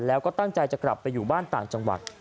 แล้วก็ตั้งใจจะกลับไปอยู่บ้านต่างจังหวัด